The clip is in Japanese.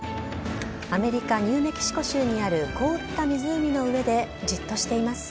アメリカ・ニューメキシコ州にある凍った湖の上でじっとしています。